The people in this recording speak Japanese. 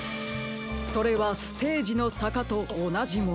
それはステージのさかとおなじもの。